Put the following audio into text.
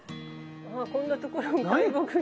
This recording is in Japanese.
あこんなところに大木が。